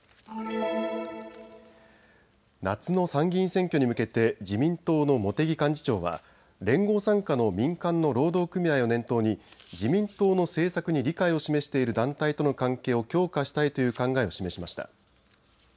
夏の参議院選挙に向けて自民党の茂木幹事長は連合傘下の民間の労働組合を念頭に自民党の政策に理解を示している団体との関係を強化したいという考えを示しました。